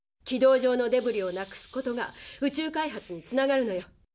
軌道上のデブリを無くすことが宇宙開発につながるのよ。